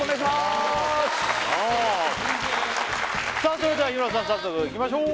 それでは日村さん早速いきましょう！